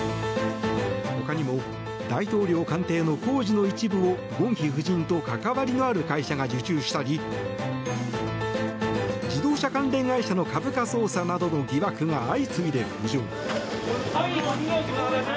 他にも大統領官邸の工事の一部をゴンヒ夫人と関わりのある会社が受注したり自動車関連会社の株価操作などの疑惑が相次いで浮上。